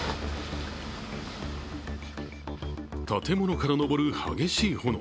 建物から上る激しい炎。